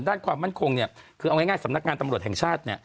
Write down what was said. ด้านความมั่นคงคือเอาง่ายสำนักการณ์ตำรวจแห่งชาติ